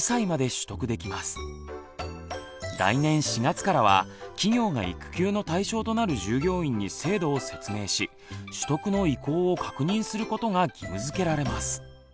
来年４月からは企業が育休の対象となる従業員に制度を説明し取得の意向を確認することが義務づけられます。